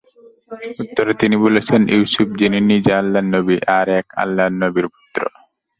উত্তরে তিনি বলেছিলেন, ইউসুফ—যিনি নিজে আল্লাহর নবী, আর এক আল্লাহর নবীর পুত্র।